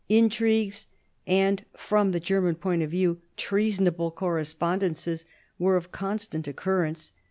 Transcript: Intrigues and, from the German point of view, treasdnable correspondences were of constant occurrence.